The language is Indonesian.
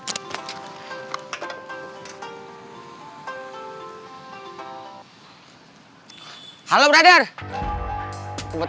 alhamdulillah nyampe juga kita arnold